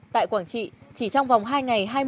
tại quảng trị chỉ trong vòng hai ngày